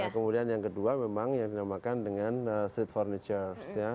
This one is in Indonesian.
kemudian yang kedua memang yang dinamakan dengan street furniture